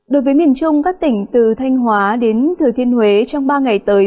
đối với miền trung các tỉnh từ thanh hóa đến thừa thiên huế trong ba ngày tới